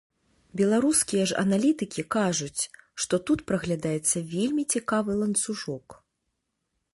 Беларускія ж аналітыкі кажуць, што тут праглядаецца вельмі цікавы ланцужок.